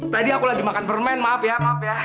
tadi aku lagi makan permen maaf ya maaf ya